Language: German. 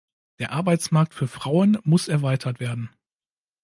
Der Arbeitsmarkt für Frauen muss erweitert werden.